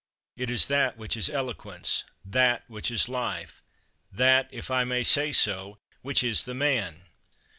It is that which is eloquence; that which is life; that, if I may say so, which is the man.